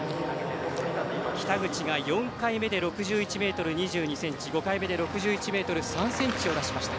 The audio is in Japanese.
北口が４回目で６１ｍ２２ｃｍ５回目で６１ｍ３ｃｍを出しました。